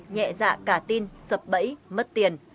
nhẹ dạ cả tin sập bẫy mất tiền